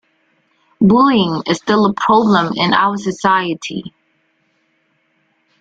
Bullying is still a problem in our society.